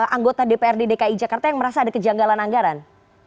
anggota dprd dki jakarta yang merasa ada kejanggalan anggaran